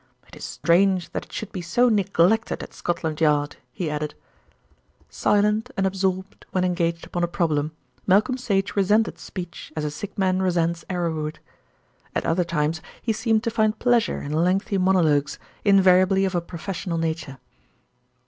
"It is strange that it should be so neglected at Scotland Yard," he added. Silent and absorbed when engaged upon a problem, Malcolm Sage resented speech as a sick man resents arrowroot. At other times he seemed to find pleasure in lengthy monologues, invariably of a professional nature.